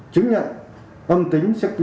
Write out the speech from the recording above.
chứng nhận âm tính